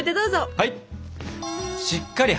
はい！